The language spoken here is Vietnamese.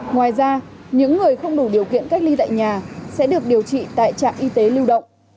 ngoài ra những người không đủ điều kiện cách ly tại nhà sẽ được điều trị tại trạm y tế lưu động